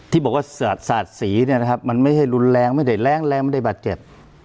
ที่บอกว่าสาดสีเนี่ยนะครับมันไม่ใช่รุนแรงไม่ได้แรงแรงไม่ได้บาดเจ็บ